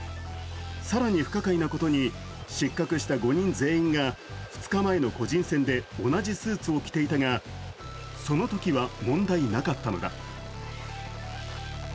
更に不可解なことに失格した５人全員が２日前の個人戦で同じスーツを着ていたがそのときは、問題なかったのだ。